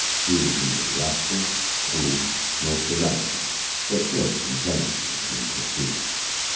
He was neither wrathful, cruel, nor tyrannical, but just and gentle as a king could be.